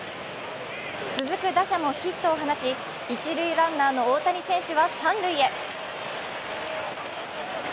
続く打者もヒットを放ち、一塁ランナーの大谷選手は三塁へ。